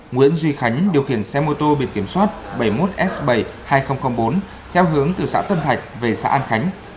nguyễn duy khánh điều khiển xe mô tô biển kiểm soát bảy mươi một s bảy nghìn bốn theo hướng từ xã tân thạch về xã an khánh